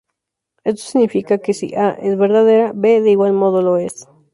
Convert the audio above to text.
Esto significa que si "A" es verdadera, "B", de igual modo, lo es.